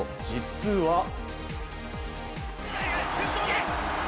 実は。